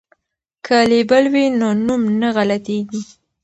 که لیبل وي نو نوم نه غلطیږي.